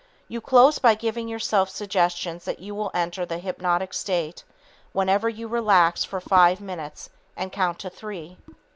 You close by giving yourself suggestions that you will enter the hypnotic state whenever you relax for five minutes and count to three.